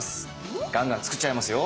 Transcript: ガンガン作っちゃいますよ。